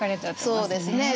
そうですね。